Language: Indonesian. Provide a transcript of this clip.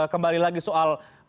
kembali lagi soal